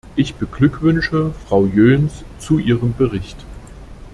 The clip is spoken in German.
Ich beglückwünsche Frau Jöns zu ihrem Bericht.